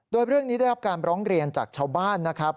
โดยเรื่องนี้ได้รับการร้องเรียนจากชาวบ้านนะครับ